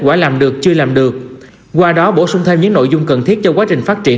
quả làm được chưa làm được qua đó bổ sung thêm những nội dung cần thiết cho quá trình phát triển